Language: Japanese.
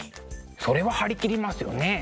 それは張り切りますよね。